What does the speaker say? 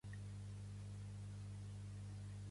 Quan descongelarem la independència?